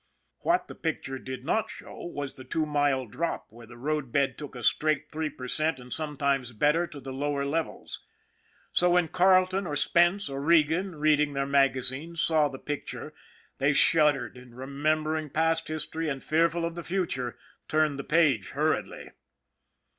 What the picture did not show was the two mile drop, where the road bed took a straight three per cent and sometimes better, to the lower levels. So when Carleton or Spence or Regan, reading their magazines, saw the picture, they shuddered, and, re membering past history and fearful of the future, turned the page hurriedly.